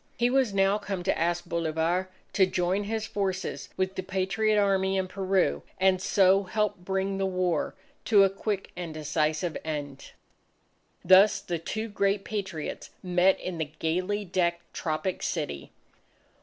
He was now come to ask Bolivar to join his forces with the Patriot Army in Peru and so help bring the war to a quick, decisive end. Thus the two great Patriots met in the gayly decked tropic city.